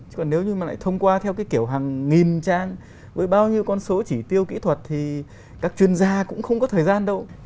chứ còn nếu như mà lại thông qua theo cái kiểu hàng nghìn trang với bao nhiêu con số chỉ tiêu kỹ thuật thì các chuyên gia cũng không có thời gian đâu